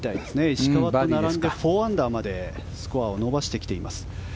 石川と並んで４アンダーまでスコアを伸ばしてきています。